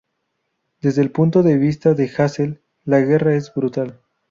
Desde el punto de vista de Hassel, la guerra es brutal.